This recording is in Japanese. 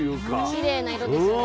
きれいな色ですよね。